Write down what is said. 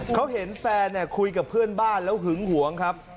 เขาเห็นแฟนคุยกับเพื่อนบ้านแล้วหึงหวงครับ